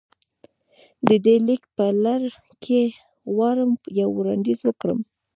د دې ليک په لړ کې غواړم يو وړانديز وکړم.